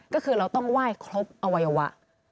ก็คือเราต้องไหว้ครบอวัยวะ